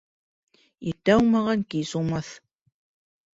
Иртә уңмаған кис уңмаҫ